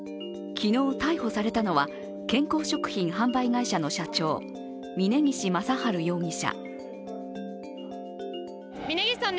昨日逮捕されたのは、健康食品販売会社の社長、峯岸正治容疑者。